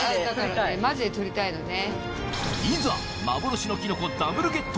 マジで採りたいのね。